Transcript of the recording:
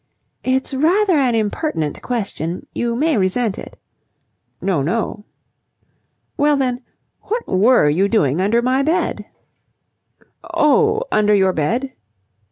"It's rather an impertinent question. You may resent it." "No, no." "Well, then, what were you doing under my bed?" "Oh, under your bed?"